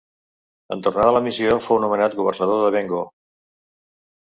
En tornar de la missió fou nomenat governador de Bengo.